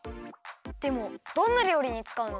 でもどんなりょうりにつかうの？